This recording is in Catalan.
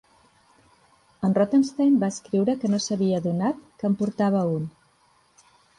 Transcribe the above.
En Rothenstein va escriure que no s'havia adonat que en portava un.